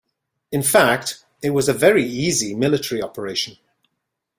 In fact, it was a very easy military operation.